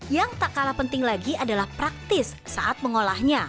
yang tak kalah penting lagi adalah praktis saat mengolahnya